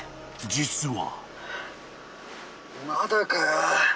［実は］